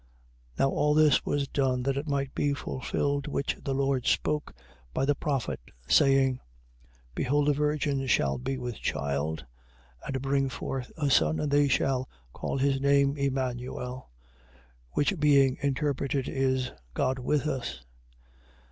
1:22. Now all this was done that it might be fulfilled which the Lord spoke by the prophet, saying: 1:23. Behold a virgin shall be with child, and bring forth a son, and they shall call his name Emmanuel, which being interpreted is, God with us.